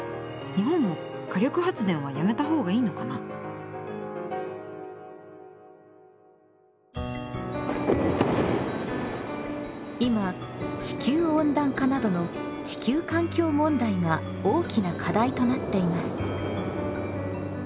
日本も今地球温暖化などの地球環境問題が大きな課題となっています。